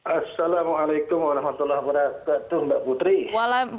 assalamualaikum warahmatullahi wabarakatuh mbak putri